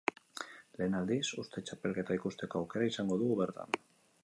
Lehen aldiz, uztai txapelketa ikusteko aukera izango dugu bertan.